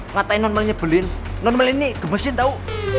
katain normalnya belin normal ini gemesin tau